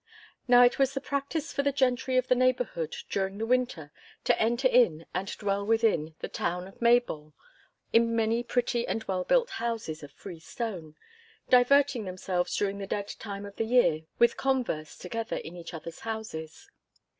Now, it was the practice for the gentry of the neighbourhood during the winter, to enter in and dwell within the town of Maybole in many pretty and well built houses of freestone, diverting themselves during the dead time of the year with converse together in each other's houses.